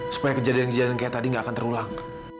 supaya kejadian kejadian kayak tadi nggak akan terulang